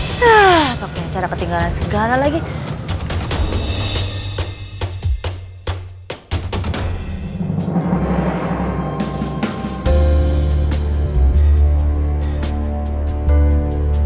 aaaaah orang beloved anz laut lainnya apa radical nggak ngak temanik